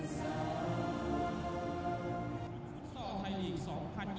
สวัสดีครับทุกคน